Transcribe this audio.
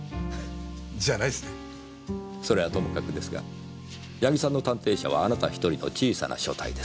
それはともかくですが矢木さんの探偵社はあなた一人の小さな所帯です。